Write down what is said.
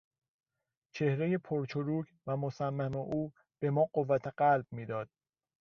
چهرهی پر چروک و مصمم او به ما قوت قلب میداد.